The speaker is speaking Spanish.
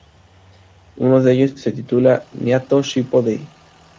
Uno de ellos se titula "Nyanto-shippo "De"!?